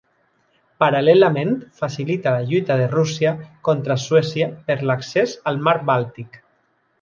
Paral·lelament facilita la lluita de Rússia contra Suècia per l'accés al Mar Bàltic.